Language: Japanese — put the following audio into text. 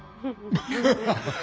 アハハハ。